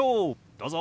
どうぞ。